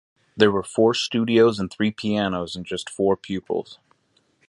There were four studios and three pianos and just four pupils.